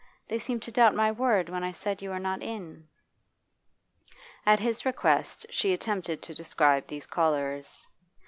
They seemed to doubt my word when I said you were not in.' At his request she attempted to describe these callers.